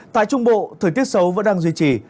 tại trung bộ thời tiết xấu vẫn đang duy trì